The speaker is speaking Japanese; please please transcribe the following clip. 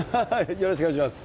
よろしくお願いします。